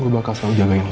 gue bakal selalu jagain lo